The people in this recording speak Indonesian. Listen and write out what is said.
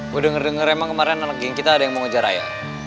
gue denger denger emang kemarin anak geng kita ada yang mau ngejar raya